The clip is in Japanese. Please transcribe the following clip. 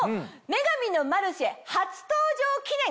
『女神のマルシェ』初登場記念